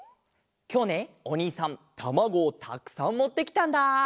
きょうねおにいさんたまごをたくさんもってきたんだ！